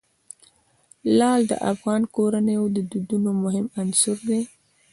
لعل د افغان کورنیو د دودونو مهم عنصر دی.